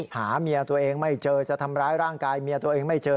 หาเมียตัวเองไม่เจอจะทำร้ายร่างกายเมียตัวเองไม่เจอ